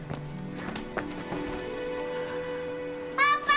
パパ！